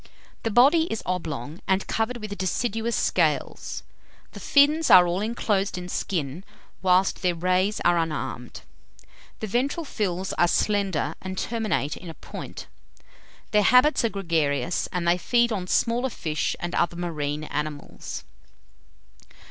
The body is oblong, and covered with deciduous scales. The fins are all inclosed in skin, whilst their rays are unarmed. The ventral fins are slender, and terminate in a point. Their habits are gregarious, and they feed on smaller fish and other marine animals.